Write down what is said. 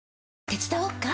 手伝おっか？